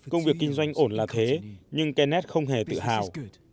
công việc kinh doanh ổn là thế nhưng kenned không hề tự hào